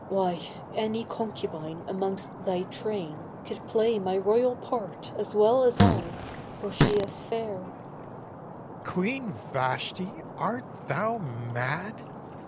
Why, any concubine amongst thy train Could play my royal part as well as I— Were she as fair! AHASUERAS Queen Vashti, art thou mad?